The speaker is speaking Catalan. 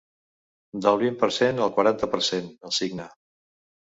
Del vint per cent al quaranta per cent, el cigne.